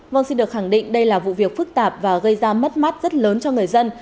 vâng xin được khẳng định đây là vụ việc phức tạp và gây ra mất mát rất lớn cho người dân